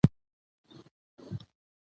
په غضب یې کړه ور ږغ چي ژر سه څه کړې